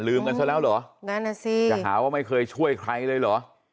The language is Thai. ลืมกันซะแล้วเหรอเดี๋ยวหาว่าไม่เคยช่วยใครเลยเหรอ